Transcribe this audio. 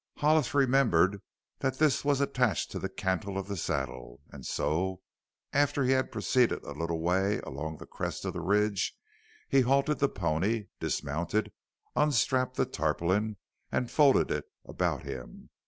Hollis remembered that this was attached to the cantle of the saddle, and so, after he had proceeded a little way along the crest of the ridge, he halted the pony, dismounted, unstrapped the tarpaulin, and folded it about him.